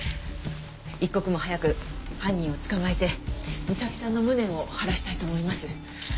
一刻も早く犯人を捕まえて美咲さんの無念を晴らしたいと思います。